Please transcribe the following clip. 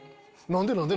何で？